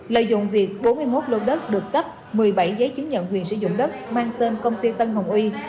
lợi dụng việc bốn mươi một lô đất được cấp một mươi bảy giấy chứng nhận quyền sử dụng đất mang tên công ty tân hồng uy